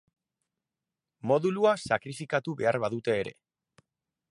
Modulua sakrifikatu behar badute ere.